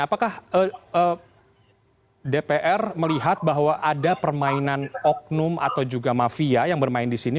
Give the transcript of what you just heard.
apakah dpr melihat bahwa ada permainan oknum atau juga mafia yang bermain di sini